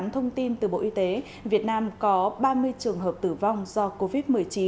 thông tin từ bộ y tế việt nam có ba mươi trường hợp tử vong do covid một mươi chín